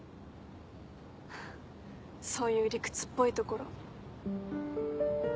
ハァそういう理屈っぽいところ。